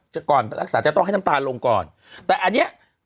ก่อนไปรักษาจะต้องให้น้ำตาลลงก่อนแต่อันเนี้ย